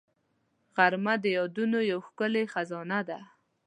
غرمه د یادونو یو ښکلې خزانه ده